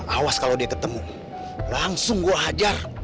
awas kalau dia ketemu langsung gue hajar